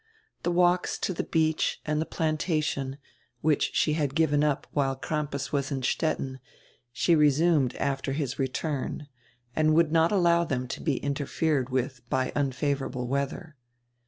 The walks to the beach and the "Plantation," which she had given up while Crampas was in Stettin, she resumed after his return and would not allow them to be interfered with by unfavorable weather.